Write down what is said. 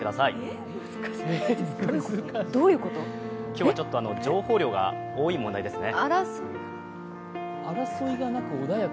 今日はちょっと情報量が多い問題ですね。